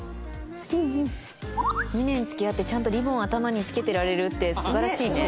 ２年付き合ってちゃんとリボン頭に着けてられるって素晴らしいね。